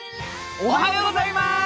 おはようございます！